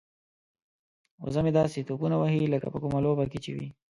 وزه مې داسې ټوپونه وهي لکه په کومه لوبه کې چې وي.